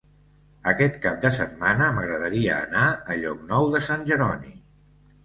Aquest cap de setmana m'agradaria anar a Llocnou de Sant Jeroni.